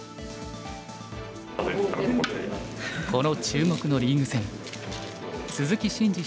この注目のリーグ戦鈴木伸二